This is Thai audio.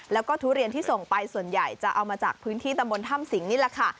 แล้วก็ทุเรียนที่ส่งไปส่วนใหญ่จะเอามาจากพื้นที่ตำบลถ้ำสิงนี่แหละค่ะ